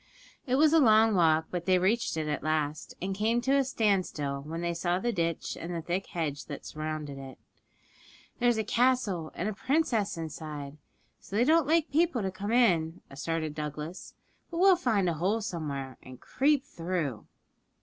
It was a long walk, but they reached it at last, and came to a standstill when they saw the ditch and the thick hedge that surrounded it. 'There's a castle and a princess inside, so they don't like people to come in,' asserted Douglas; 'but we'll find a hole somewhere and creep through.'